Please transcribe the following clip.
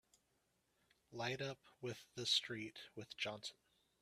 Light up with the street with Johnson!